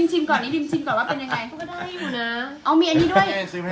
จะได้อยู่นะ